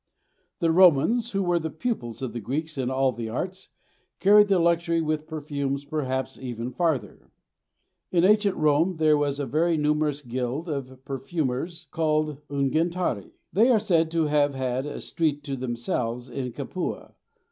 The Romans, who were the pupils of the Greeks in all the arts, carried the luxury with perfumes perhaps even farther. In ancient Rome there was a very numerous guild of perfumers called unguentarii; they are said to have had a street to themselves in Capua.